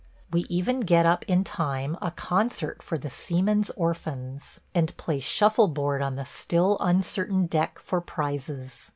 We even get up in time a concert for the seamen's orphans, and play shuffle board on the still uncertain deck for prizes.